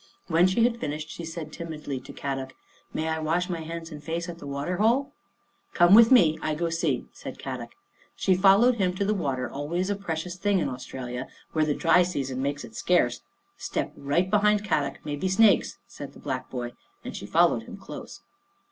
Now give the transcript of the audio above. When she had finished she said timidly to Kadok, " May I wash my hands and face at the water hole? "" Come with me. I go see," said Kadok. She followed him to the water, always a precious thing in Australia, where the dry season makes it scarce. " Step right behind Kadok, maybe snakes," said the black boy, and she followed him close.